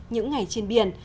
những ngày trên biển